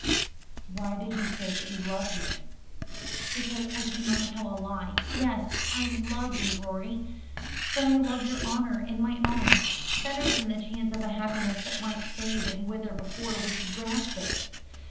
"Why did you say that you loved me?" "Because I cannot tell a lie. Yes, I love you, Rorie; but I love your honour, and my own, better than the chance of a happiness that might fade and wither before we could grasp it.